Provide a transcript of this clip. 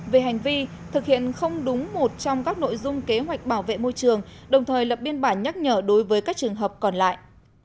về hành vi thực hiện không đúng một trong các nội dung kế hoạch bảo vệ môi trường đồng thời lập biên bản nhắc nhở đối với các trường hợp còn lại